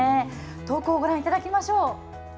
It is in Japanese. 投稿をご覧いただきましょう。